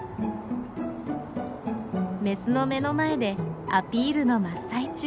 メスの目の前でアピールの真っ最中。